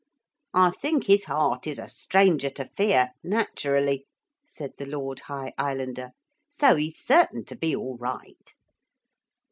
'I think his heart is a stranger to fear, naturally,' said the Lord High Islander, 'so he's certain to be all right.'